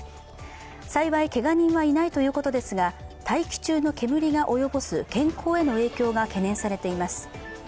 幸いけが人はいないということですが大気中の煙が及ぼす健康への影響が懸念されています。